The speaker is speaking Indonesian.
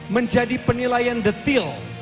menjadi penilaian detik penilaian utama